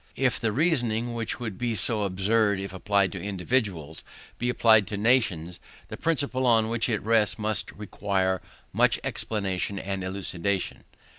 If the reasoning, which would be so absurd if applied to individuals, be applicable to nations, the principle on which it rests must require much explanation and elucidation.